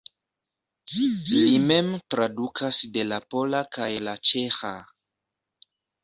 Li mem tradukas de la pola kaj la ĉeĥa.